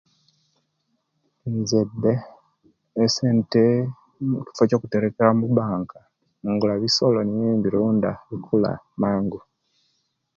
Nze bbe esente mukifo kyokujitereka mubanka ingula bisolo nimbirunda bikula mangu